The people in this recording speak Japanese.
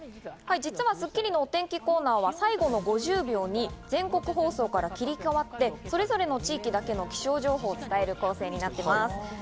実は『スッキリ』のお天気コーナーは最後の５０秒に全国放送から切り替わって、それぞれの地域だけの気象情報を伝える構成になっています。